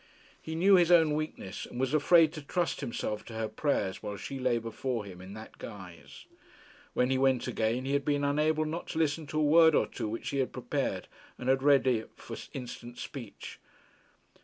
He knew his own weakness, and was afraid to trust himself to her prayers while she lay before him in that guise. When he went again, he had been unable not to listen to a word or two which she had prepared, and had ready for instant speech.